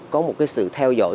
có một cái sự theo dõi